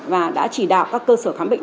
và đã chỉ đạo các cơ sở khám bệnh